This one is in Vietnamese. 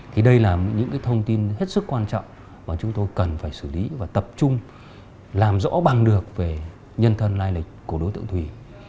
thì đây là những thông tin hết sức quan trọng mà chúng tôi cần phải xử lý và tập trung làm rõ bằng được về nhân thân lai lịch của đối tượng thủy